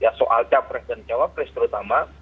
ya soal capres dan cawapres terutama